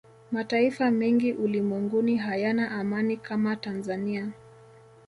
mataifa mengi ulimwenguni hayana amani kama tanzania